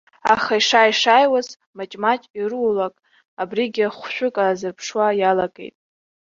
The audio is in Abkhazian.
Аха ишааи-шааиуаз, маҷ-маҷ, ирулак абригьы хәшәык азырԥшаауа иалагеит.